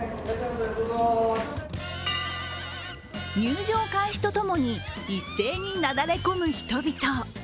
入場開始とともに一斉になだれ込む人々。